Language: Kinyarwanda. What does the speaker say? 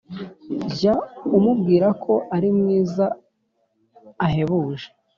jya umubwira ko ari mwiza ahebuje